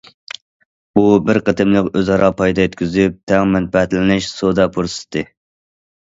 بۇ بىر قېتىملىق ئۆز ئارا پايدا يەتكۈزۈپ تەڭ مەنپەئەتلىنىش سودا پۇرسىتى.